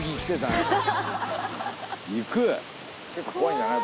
結構怖いんじゃない？